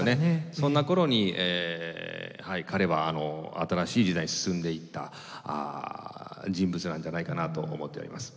そんな頃にはい彼は新しい時代に進んでいった人物なんじゃないかなと思っております。